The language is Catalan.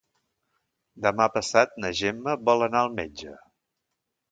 Demà passat na Gemma vol anar al metge.